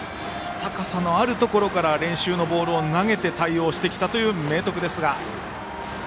高さのあるところから練習のボールを投げて対応してきたという明徳ですが。